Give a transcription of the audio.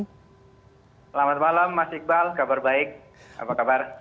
selamat malam mas iqbal kabar baik apa kabar